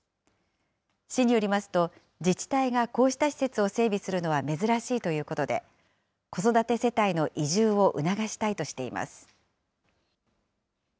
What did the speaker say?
市によりますと、自治体がこうした施設を整備するのは珍しいということで、子育て世帯の移住を促したいとしています。